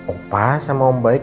opa sama om baik